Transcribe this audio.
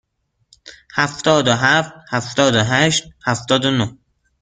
هفتاد و هفت، هفتاد و هشت، هفتاد و نه.